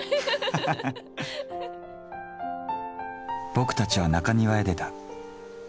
ボクたちは中庭へ出た。